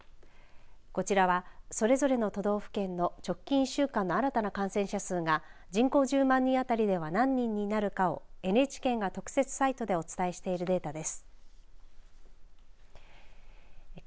こちらは、それぞれの都道府県の直近１週間の新たな感染者数が人口１０万人当たりでは何人になるかをＮＨＫが特設サイトでお伝えしているデータです。